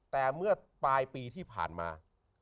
แต่เมื่อปลายปีที่ผ่านมา